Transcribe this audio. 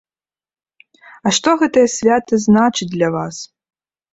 А што гэтае свята значыць для вас?